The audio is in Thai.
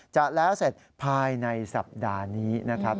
จะแล้วเสร็จภายในสัปดาห์นี้นะครับ